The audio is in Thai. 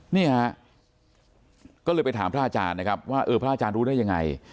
นี่ฮะก็เลยไปถามพระอาจารย์นะครับว่าเออพระอาจารย์รู้ได้ยังไง